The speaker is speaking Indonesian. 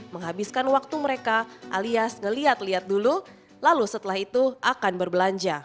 menghabiskan waktu mereka alias ngelihat lihat dulu lalu setelah itu akan berbelanja